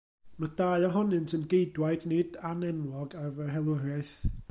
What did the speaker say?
Mae dau ohonynt yn geidwaid nid anenwog ar fy helwriaeth.